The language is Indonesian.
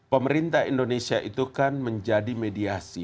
pemerintah indonesia itu kan menjadi mediasi